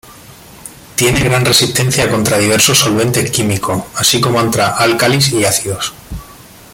Tiene gran resistencia contra diversos solventes químicos, así como contra álcalis y ácidos.